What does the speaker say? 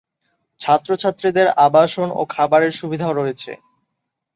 ছাত্র-ছাত্রীদের আবাসন ও খাবারের সুবিধাও রয়েছে।